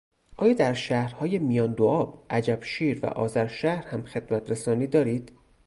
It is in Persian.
آیا در شهرهای میاندوآب، عجبشیر و آذرشهر هم خدمترسانی دارید؟